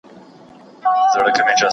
¬ پښتون مېړه پر مرگ پېرزو کېږي، پر بني نه.